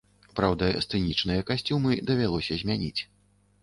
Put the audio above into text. Праўда, сцэнічныя касцюмы давялося змяніць.